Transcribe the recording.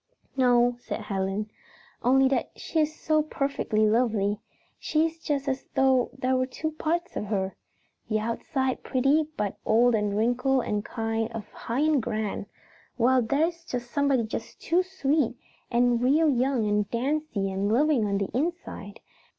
"No," said Helen, "only that she is so perfectly lovely. She is just as though there was two parts to her. The outside pretty, but old and wrinkled and kind of high and grand, while there is somebody just too sweet, and real young and dancy and loving on the inside.